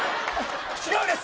違うんです。